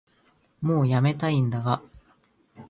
もうやめたいんだが